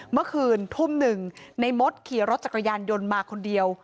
เมื่อคืนทุ่มหนึ่งในมดขี่รถจักรยานยนต์มาคนเดียว